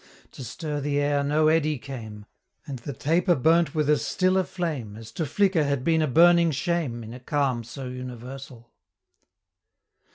To stir the air no eddy came; And the taper burnt with as still a flame, As to flicker had been a burning shame, In a calm so universal.